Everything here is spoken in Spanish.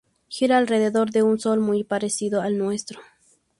Gira alrededor de un sol muy parecido al nuestro.